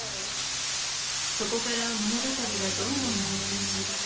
そこから物語がどんどん動きだし